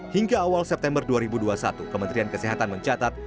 hingga awal september dua ribu dua puluh satu kementerian kesehatan mencatat